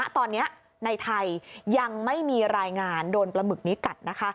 ตอนนี้ในไทยยังไม่มีรายงานโดนปลาหมึกนี้กัด